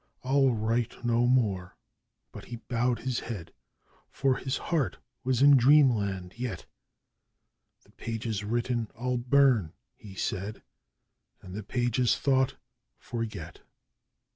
'I'll write no more!' But he bowed his head, for his heart was in Dreamland yet 'The pages written I'll burn,' he said, 'and the pages thought forget.